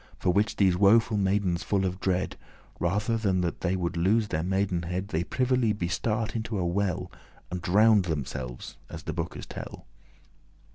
For which these woeful maidens, full of dread, Rather than they would lose their maidenhead, They privily *be start* into a well, *suddenly leaped And drowned themselves, as the bookes tell.